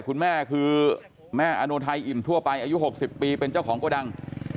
คุณแม่คือแม่อโนไทยอิ่มทั่วไปอายุ๖๐ปีเป็นเจ้าของโกดัง